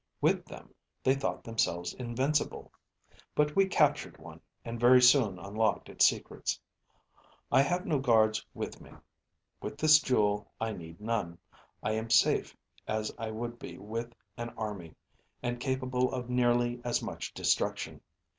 With them, they thought themselves invincible. But we captured one, and very soon unlocked its secrets. I have no guards with me. With this jewel I need none. I am as safe as I would be with an army, and capable of nearly as much destruction.